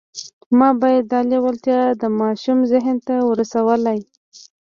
ما باید دا لېوالتیا د ماشوم ذهن ته ورسولای